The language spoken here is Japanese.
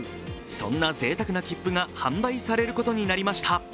そんなぜいたくな切符が販売されることになりました。